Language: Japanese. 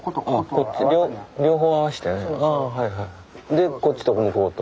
でこっちと向こうと。